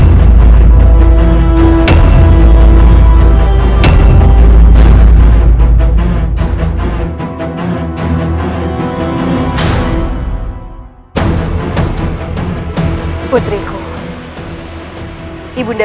maknya aku benar